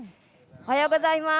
おはようございます。